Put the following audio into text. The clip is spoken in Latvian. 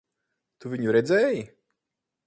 Tu viņu redzēji?